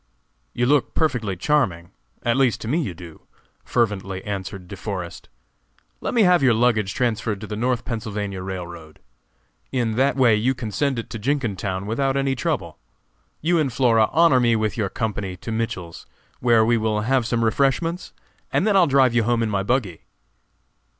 "You look perfectly charming! at least to me you do," fervently answered De Forest. "Let me have your baggage transferred to the North Pennsylvania Railroad. In that way you can send it to Jenkintown without any trouble. You and Flora honor me with your company to Mitchell's, where we will have some refreshments, and then I will drive you home in my buggy."